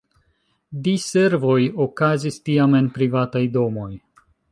Diservoj okazis tiam en privataj domoj.